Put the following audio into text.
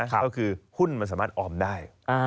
ก็คือหุ้นมันสามารถออมได้